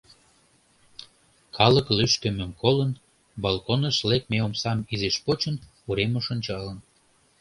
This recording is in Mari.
Калык лӱшкымым колын, балконыш лекме омсам изиш почын, уремыш ончалын.